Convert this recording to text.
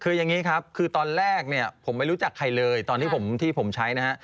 คือยังนี้ครับคือตอนแรกผมไม่รู้จักใครเลยตอนที่ผมใช้นะฮะ